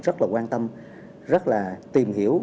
rất là quan tâm rất là tìm hiểu